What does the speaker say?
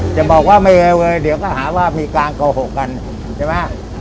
จะบอกว่าไม่เอาเลยเดี๋ยวก็หาว่ามีการโกหกกันใช่ไหม